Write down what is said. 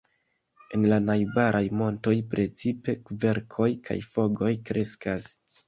En la najbaraj montoj precipe kverkoj kaj fagoj kreskas.